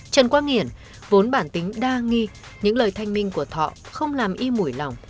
trần quang hiển vốn bản tính đa nghi những lời thanh minh của thọ không làm y mũi lòng